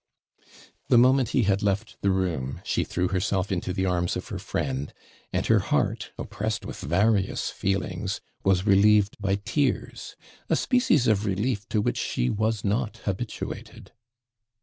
The moment he had left the room, she threw herself into the arms of her friend, and her heart, oppressed with various feelings, was relieved by tears a species of relief to which she was not habituated.